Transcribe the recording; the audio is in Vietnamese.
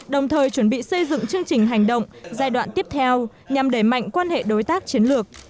đồng thời chuẩn bị xây dựng chương trình hành động giai đoạn tiếp theo nhằm đẩy mạnh quan hệ đối tác chiến lược